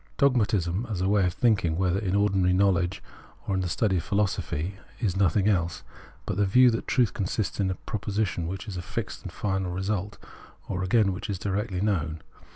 Dogmatism as a way of thinking, whether in ordinary knowledge or in the study of philosophy, is nothing else but the view that truth consists in a proposition, which is a fixed and final result, or again which is directly known.